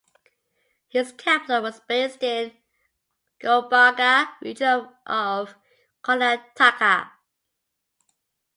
His capital was based in Gulbarga region of Karnataka.